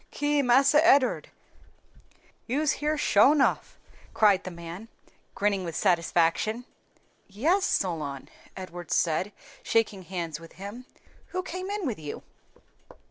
"Ki! Marse Ed'ard, you's here sho nuff!" cried the man, grinning with satisfaction. "Yes, Solon," Edward said, shaking hands with him. "Who came in with you?"